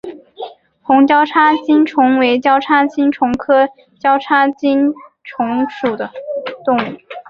红交叉棘虫为交叉棘虫科交叉棘虫属的动物。